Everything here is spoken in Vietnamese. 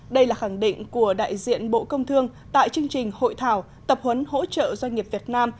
đây là khẳng định của đại diện bộ công thương tại chương trình hội thảo tập huấn hỗ trợ doanh nghiệp việt nam